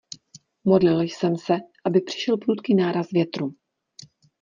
Modlil jsem se, aby přišel prudký náraz větru.